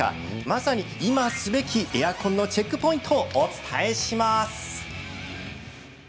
まさに今すべきエアコンのチェックポイントをお伝えします。